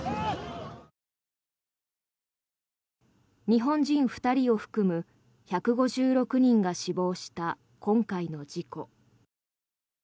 日本人２人を含む１５６人が死亡した今回の事故。